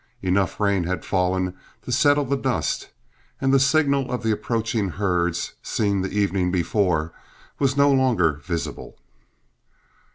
Enough rain had fallen to settle the dust, and the signal of the approaching herds, seen the evening before, was no longer visible.